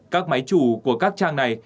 các máy chủ của các trang này